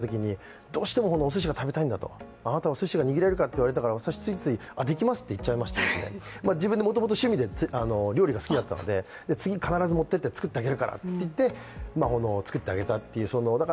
私が初めてガザにいったときどうしても、すしが食べたいんだと、あなたはすしが握れるかと言われて、私、ついついできますっていっちゃいまして、私もともと趣味で料理が好きだったので、次必ず持っていって作ってあげるからって言って、作ってあげたという。